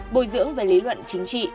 bồi dưỡng về lý luận chính trị